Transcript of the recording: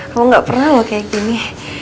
kamu gak pernah loh kayak gini